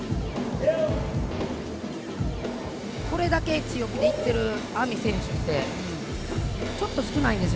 これだけ強気でいってるＡＭＩ選手ってちょっと少ないですよね。